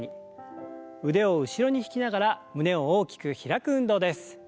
腕を後ろに引きながら胸を大きく開く運動です。